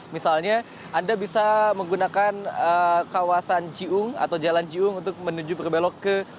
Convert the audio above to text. misalnya anda bisa menggunakan kawasan ciung atau jalan ciyung untuk menuju berbelok ke